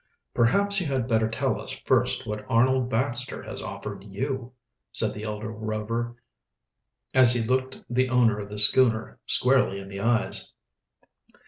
"Perhaps you had better tell us first what Arnold Baxter has offered you," said the elder Rover, as he looked the owner of the schooner squarely in the eyes.